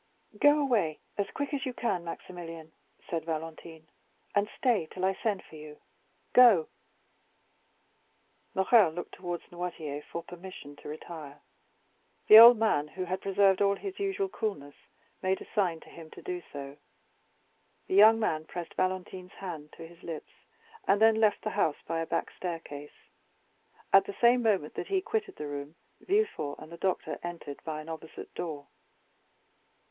"Go away as quick as you can, Maximilian," said Valentine, "and stay till I send for you. Go." Morrel looked towards Noirtier for permission to retire. The old man, who had preserved all his usual coolness, made a sign to him to do so. The young man pressed Valentine's hand to his lips, and then left the house by a back staircase. At the same moment that he quitted the room, Villefort and the doctor entered by an opposite door.